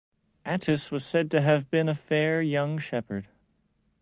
Attis was said to have been a fair young shepherd.